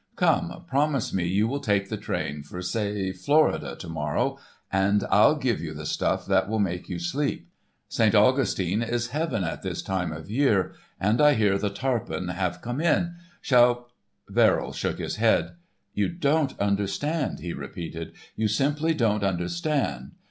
Come, promise me you will take the train for, say Florida, tomorrow, and I'll give you stuff that will make you sleep. St. Augustine is heaven at this time of year, and I hear the tarpon have come in. Shall—" Verrill shook his head. "You don't understand," he repeated. "You simply don't understand.